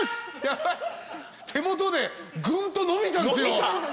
手元でグンと伸びたんですよ